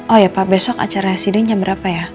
oh ya pa besok acara sidang jam berapa ya